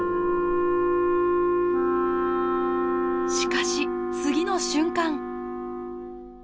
しかし次の瞬間。